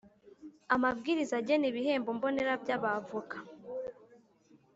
Amabwiriza agena ibihembo mbonera by abavoka